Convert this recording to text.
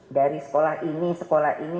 dari sekolah ini sekolah ini